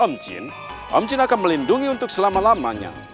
om jin om jin akan melindungi untuk selama lamanya